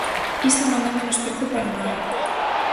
Iso non é menosprezo para nada.